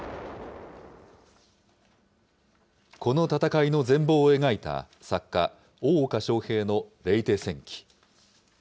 この戦いの全貌を描いた作家、大岡昇平のレイテ戦記。